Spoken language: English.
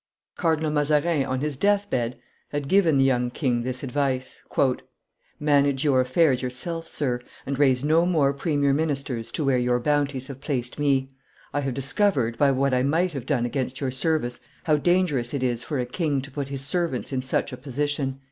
Cardinal Mazarin on his death bed had given the young king this advice: "Manage your affairs yourself, sir, and raise no more premier ministers to where your bounties have placed me; I have discovered, by what I might have done against your service, how dangerous it is for a king to put his servants in such a position."